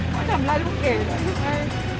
เขาทำร้ายลูกเกดทุกครั้ง